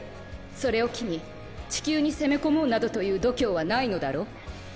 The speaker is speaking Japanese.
それを機に地球に攻め込もうなどという度胸はないのだろ？